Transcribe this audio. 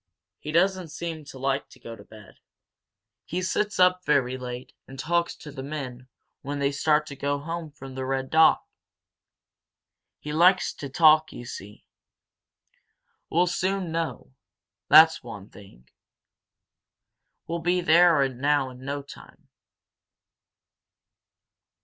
He doesn't seem to like to go to bed. He sits up very late, and talks to the men when they start to go home from the Red Dog. He likes to talk, you see. We'll soon know that's one thing. We'll be there now in no time."